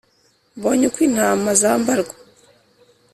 mbonye uko intama zambarwa